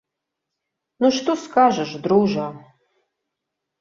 Ну, што скажаш, дружа?